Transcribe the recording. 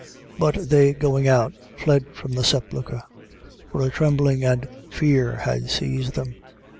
16:8. But they going out, fled from the sepulchre: for a trembling and fear had seized them.